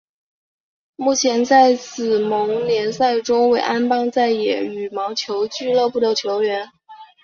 目前在紫盟联赛中为安邦再也羽毛球俱乐部的球员。